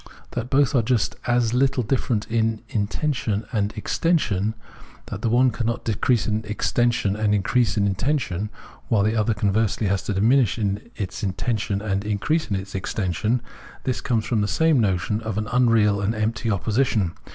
That both are just as httle difierent in intension and extension, that the one cannot decrease in extension and increase in intension, while the other conversely has to diminish its intension and increase in extension — this comes from the same notion of an unreal and empty opposition.